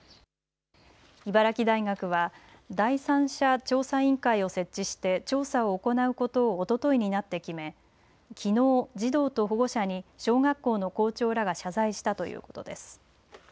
茨城大学は、第三者調査委員会を設置して、調査を行うことをおとといになって決め、きのう、児童と保護者に小学校の校長らが謝罪したということです。